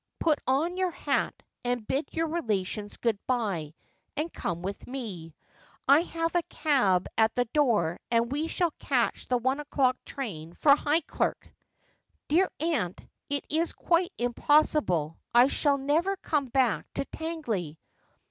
Put on your hat and bid your relations good bye, and come with me. I have a cab at the door, and we shall catch the one o'clock train for Highcieie.' ' Dear aunt, it is quite impossible. I shall never come back to Tangley.'